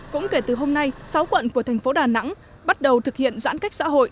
cũng kể từ hôm nay sáu quận của thành phố đà nẵng bắt đầu thực hiện giãn cách xã hội